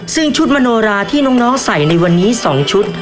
ซึ่งชุดมโนราที่น้องใส่ในวันนี้๒ชุด